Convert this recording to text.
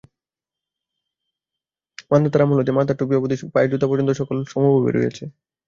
মান্ধাতার আমল হইতে মাথার টুপি অবধি পায়ের জুতা পর্যন্ত অবিকল সমভাবে রহিয়াছে।